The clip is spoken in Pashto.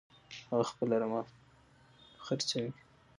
هغه خپله رمه خرڅوي.